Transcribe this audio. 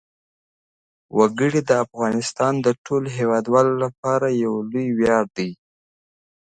وګړي د افغانستان د ټولو هیوادوالو لپاره یو لوی ویاړ دی.